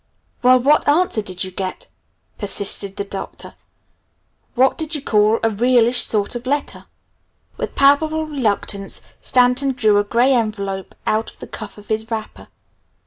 "Well, what answer did you get?" persisted the Doctor. "What do you call a realish sort of letter?" With palpable reluctance Stanton drew a gray envelope out of the cuff of his wrapper.